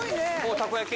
たこ焼き？